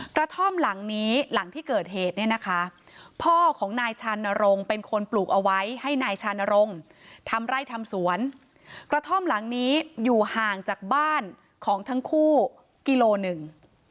กระท่อมหลังนี้หลังที่เกิดเหตุเนี่ยนะคะพ่อของนายชานรงค์เป็นคนปลูกเอาไว้ให้นายชานรงค์ทำไร่ทำสวนกระท่อมหลังนี้อยู่ห่างจากบ้านของทั้งคู่กิโลหนึ่ง